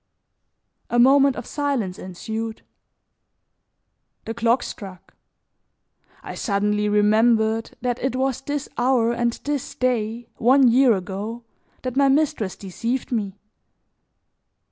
A moment of silence ensued. The clock struck; I suddenly remembered that it was this hour and this day, one year ago, that my mistress deceived me.